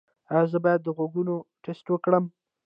ایا زه باید د غوږونو ټسټ وکړم؟